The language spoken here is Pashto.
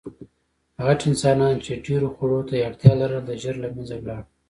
غټ انسانان، چې ډېرو خوړو ته یې اړتیا لرله، ژر له منځه لاړل.